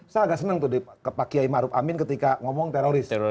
saya agak senang tuh ke pak kiai maruf amin ketika ngomong teroris